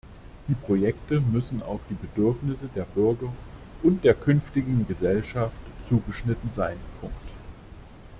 Die Projekte müssen auf die Bedürfnisse der Bürger und der künftigen Gesellschaft zugeschnitten sein.